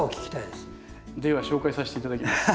では紹介させて頂きます。